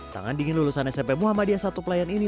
tangan dingin lulusan smp muhammadiyah satu pelayan ini